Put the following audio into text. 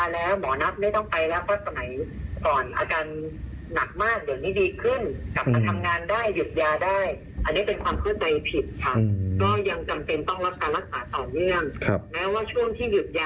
ส่วนใหญ่แพทย์ก็จะยังต้องนับดูอาการเป็นระยะ